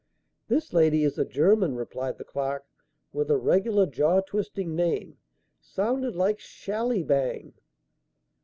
"This lady is a German," replied the clerk, "with a regular jaw twisting name. Sounded like Shallybang."